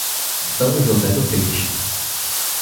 São José do Peixe